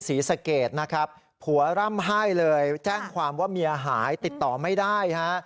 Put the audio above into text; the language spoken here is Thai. ศรีสะเกดนะครับผัวร่ำไห้เลยแจ้งความว่าเมียหายติดต่อไม่ได้ฮะ